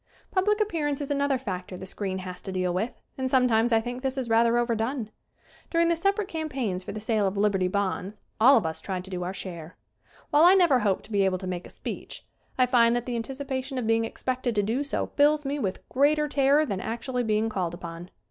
Public appearance is another factor the screen has to deal with and sometimes I think this is rather overdone. During the separate campaigns for the sale of Liberty Bonds all of us tried to do our share. While I never hope to be able to make a speech, I find that the anticipation of being expected to do so fills me with greater terror than actually being called upon.